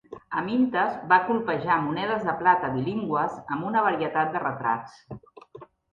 Amyntas va colpejar monedes de plata bilingües amb una varietat de retrats.